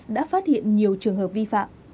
đã phát hiện nhiều trường hợp vi phạm